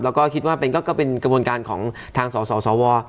แล้วก็คิดว่าก็เป็นกระบวนการของทางสสว